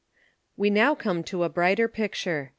] AYe now come to a brighter picture.